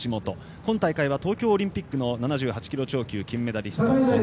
今大会は、東京オリンピックの７８キロ超級金メダリスト素根。